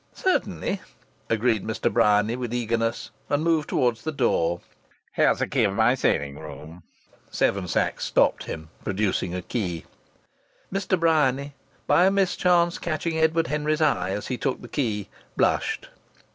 "Certainly," agreed Mr. Bryany with eagerness, and moved towards the door. "Here's the key of my sitting room," Seven Sachs stopped him, producing a key. Mr. Bryany, by a mischance catching Edward Henry's eye as he took the key, blushed.